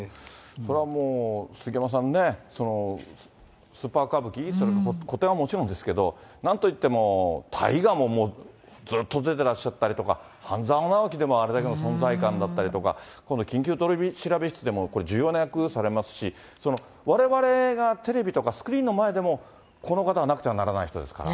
それはもう杉山さんね、スーパー歌舞伎、古典はもちろんですけど、なんといっても、大河ももうずっと出てらっしゃったりとか、半沢直樹でもあれだけの存在感だったりとか、今度、緊急取調室でもこれ、重要な役されますし、われわれがテレビとかスクリーンの前でも、この方はなくてはならない人ですから。